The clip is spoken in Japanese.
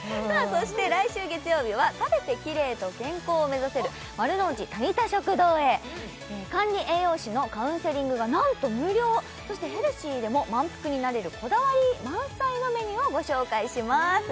そして来週月曜日は食べてキレイと健康を目指せる丸の内タニタ食堂へ管理栄養士のカウンセリングが何と無料そしてヘルシーでも満腹になれるこだわり満載のメニューをご紹介します